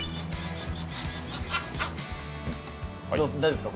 大丈夫ですか？